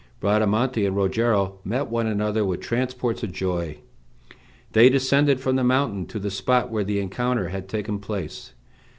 Bradamante and Rogero met one another with transports of joy. They descended from the mountain to the spot where the encounter had taken place.